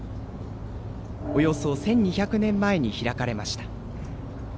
およそ１２００年前に開かれました。